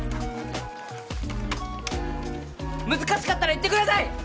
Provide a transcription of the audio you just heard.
難しかったら言ってください！